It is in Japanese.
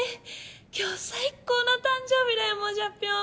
今日最高の誕生日だよモジャピョン！